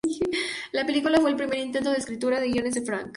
La película fue el primer intento de escritura de guiones de Frank.